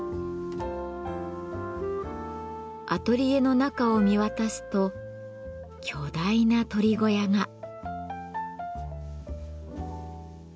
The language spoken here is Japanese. アトリエの中を見渡すと巨大な鳥小屋が。